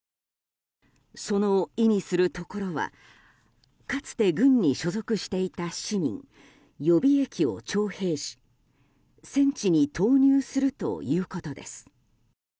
その意味するところはかつて軍に所属していた市民予備役を徴兵し戦地に投入するということです。